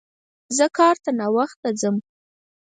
زه کار ته ناوخته ځم